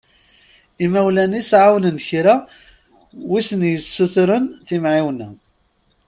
Imawlan-is εawnen kra w'i sen-yessutren timεiwna.